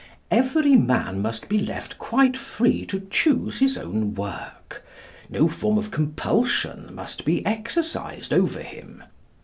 Every man must be left quite free to choose his own work. No form of compulsion must be exercised over him.